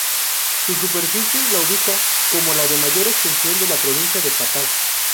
Su superficie la ubica como la de mayor extensión de la provincia de Pataz.